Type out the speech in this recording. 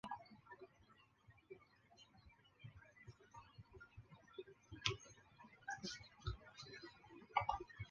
这种表示是否引起歧义或混淆依赖于上下文。